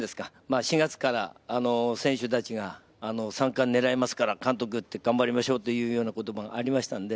４月から選手たちが３冠狙いますから監督頑張りましょうというような言葉がありました。